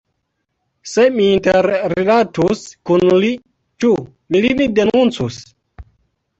Se mi interrilatus kun li, ĉu mi lin denuncus?